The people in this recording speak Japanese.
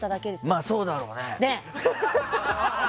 まあ、そうだろうね。